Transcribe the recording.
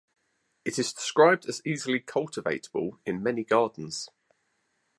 It is described as easily cultivatable in many gardens.